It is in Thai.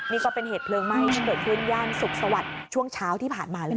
นี่ก็เป็นเหตุเพลิงไหม้ซึ่งเกิดขึ้นย่านสุขสวัสดิ์ช่วงเช้าที่ผ่านมาเลยนะ